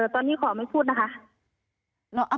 ตอนนี้ขอไม่พูดนะคะ